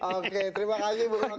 oke terima kasih bu ron